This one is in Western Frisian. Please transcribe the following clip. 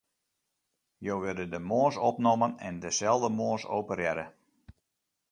Jo wurde de moarns opnommen en deselde moarns operearre.